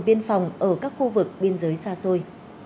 biên phòng ở các khu vực biên giới xa xôi